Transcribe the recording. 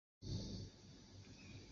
还有其他大多数曲目。